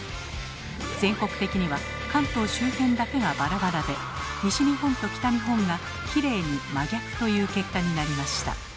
全国的には関東周辺だけがバラバラで西日本と北日本がきれいに真逆という結果になりました。